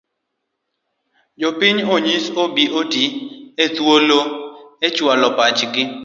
Jopiny onyis obi oti gi thuolono e chualo pachgi.